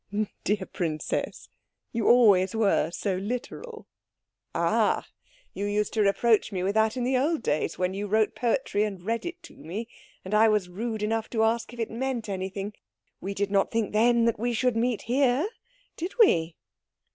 "Dear princess, you always were so literal." "Ah, you used to reproach me with that in the old days, when you wrote poetry and read it to me and I was rude enough to ask if it meant anything. We did not think then that we should meet here, did we?"